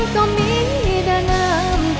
สวัสดีครับ